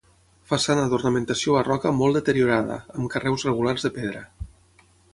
Façana d'ornamentació barroca molt deteriorada, amb carreus regulars de pedra.